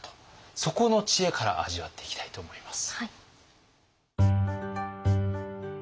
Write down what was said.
そこの知恵から味わっていきたいと思います。